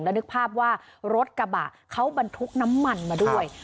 แล้วนึกภาพว่ารถกระบะเขาบรรทุกน้ำมันมาด้วย